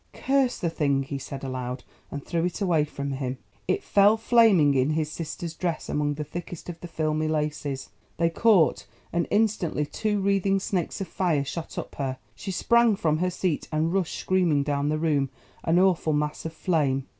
"Curse the thing!" he said aloud, and threw it from him. It fell flaming in his sister's dress among the thickest of the filmy laces; they caught, and instantly two wreathing snakes of fire shot up her. She sprang from her seat and rushed screaming down the room, an awful mass of flame!